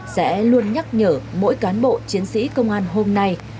sẽ luôn nhắc nhở mỗi cán bộ chiến sĩ công an hôm nay